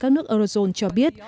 các nước eurozone cho biết